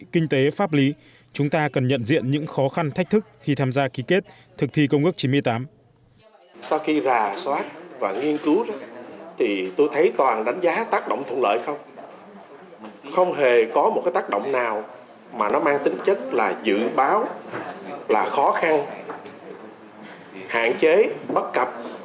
kinh tế pháp lý chúng ta cần nhận diện những khó khăn thách thức khi tham gia ký kết thực thi công ước chín mươi tám